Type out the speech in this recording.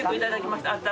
頂きました！